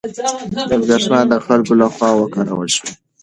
برېښنا د خلکو له خوا وکارول شوه.